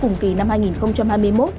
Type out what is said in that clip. cùng kỳ năm hai nghìn hai mươi một